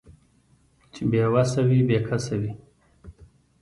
چې بې وسه وي بې کسه وي